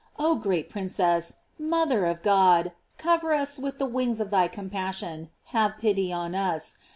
Oh great princess! mother of God! cover us with the wings of thy compassion: have pitv on us.